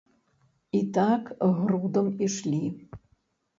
І так грудам ішлі.